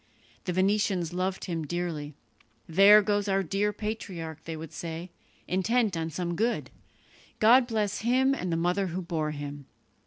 The Venetians loved him dearly. "There goes our dear patriarch," they would say, "intent on some good. God bless him and the mother who bore him."